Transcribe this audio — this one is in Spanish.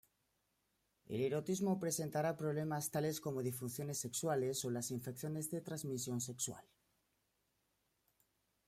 El erotismo presentará problemas tales como disfunciones sexuales o las infecciones de transmisión sexual.